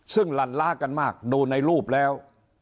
ซึ่งหลั่นล้ากันมากดูในรูปแล้ว